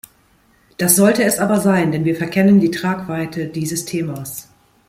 Das sollte es aber sein, denn wir verkennen die Tragweite dieses Themas.